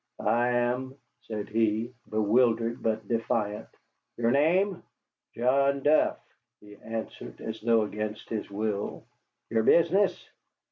"I am," said he, bewildered but defiant. "Your name?" "John Duff," he answered, as though against his will. "Your business?"